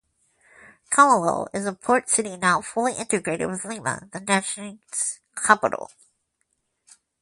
Callao is the port city now fully integrated with Lima, the nation's capital.